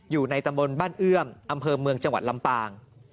อยู่ในตำบลบ้านเอื้อมอำเภอเมืองจังหวัดลำปาง